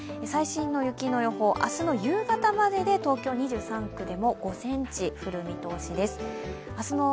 最新の雪の予報、明日の夕方までで東京２３区でも５ｃｍ降る見通しです。